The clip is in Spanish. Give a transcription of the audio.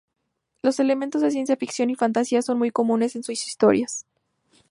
Los elementos de ciencia ficción y fantasía son muy comunes en sus historias.